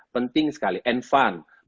penting sekali and fun